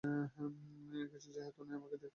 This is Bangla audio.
কিছু যেহেতু নাই, আমাকে দেখতে দাও।